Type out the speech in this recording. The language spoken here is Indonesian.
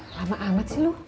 lama amat sih lu